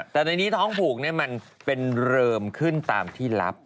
แต่ในนี้ท้องผูกมันเป็นเริมขึ้นตามที่รับ